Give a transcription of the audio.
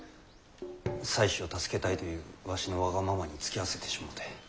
妻子を助けたいというわしのわがままにつきあわせてしもうて。